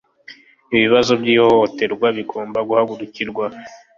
ibibazo by'ihohoterwa bigomba guhagurikirwa